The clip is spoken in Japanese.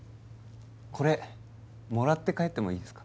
これもらって帰ってもいいですか？